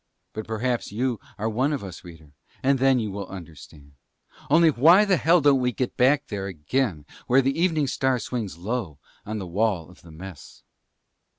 But perhaps you are one of us, reader, and then you will understand. Only why the hell don't we get back there again where the Evening Star swings low on the wall of the Mess?